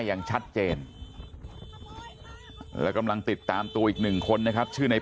อย่างชัดเจนและกำลังติดตามตัวอีกหนึ่งคนนะครับชื่อใน